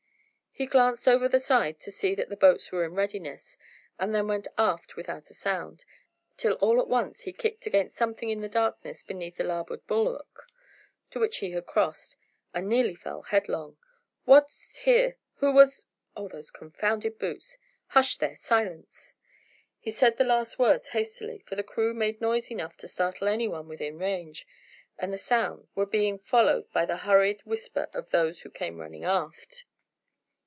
He glanced over the side to see that the boats were in readiness, and then went aft without a sound, till all at once he kicked against something in the darkness beneath the larboard bulwark, to which he had crossed, and nearly fell headlong. "What's here? Who was Oh, it's those confounded boots. Hush, there; silence!" He said the last words hastily, for the crew made noise enough to startle any one within range, and the sound: were being followed by the hurried whisper of those who came running aft.